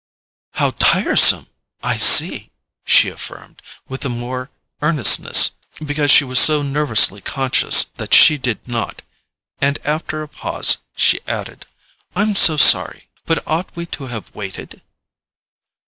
"How tiresome! I see," she affirmed, with the more earnestness because she was so nervously conscious that she did not; and after a pause she added: "I'm so sorry—but ought we to have waited?"